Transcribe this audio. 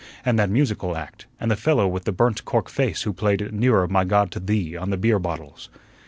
And that musical act, and the fellow with the burnt cork face who played 'Nearer, My God, to Thee' on the beer bottles."